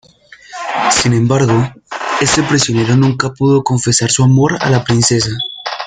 Sin embargo, este prisionero nunca pudo confesar su amor a la princesa.